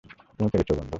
তুমি পেরেছ, বন্ধু।